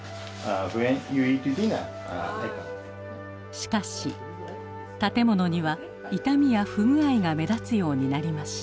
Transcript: しかし建物には傷みや不具合が目立つようになりました。